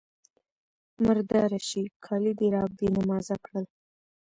_مرداره شې! کالي دې را بې نمازه کړل.